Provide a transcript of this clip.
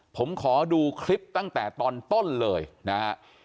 ผมขอดูคลิปตั้งแต่ตอนต้นเลยนะฮะ